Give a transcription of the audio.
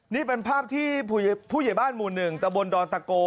นี่เป็นภาพที่ผู้ใหญ่บ้านหมู่๑ตะบนดอนตะโก